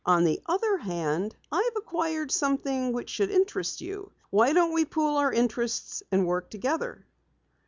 On the other hand, I've acquired something which should interest you. Why don't we pool our interests and work together?"